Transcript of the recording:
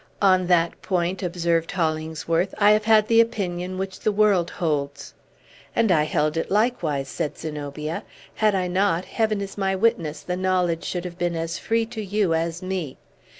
"On that point," observed Hollingsworth, "I have had the opinion which the world holds." "And I held it likewise," said Zenobia. "Had I not, Heaven is my witness the knowledge should have been as free to you as me.